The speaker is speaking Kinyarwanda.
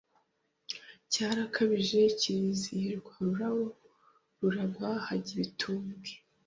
Cyarakabije kilizihirwa Ururabo ruragwa hajya ibitumbwe